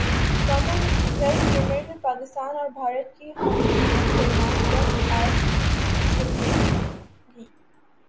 common wealth games میں پاکستان اور بھارت کی ہاکی ٹیموں کے درمیان جنگ اج چھڑے گی